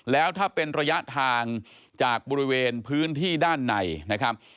แล้วถ้าเป็นระยะทางจากบริเวณพื้นที่ด้านในนะครับ